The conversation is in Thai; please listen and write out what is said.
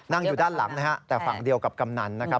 อยู่ด้านหลังนะฮะแต่ฝั่งเดียวกับกำนันนะครับ